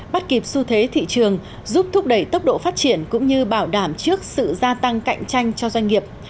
bắt kịp xu thế thị trường giúp thúc đẩy tốc độ phát triển cũng như bảo đảm trước sự gia tăng cạnh tranh cho doanh nghiệp